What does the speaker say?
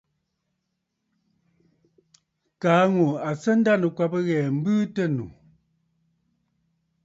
Kaa ŋù à sɨ a ndanɨ̀kwabə̀ ghɛ̀ɛ̀ m̀bɨɨ tɨ ànnù.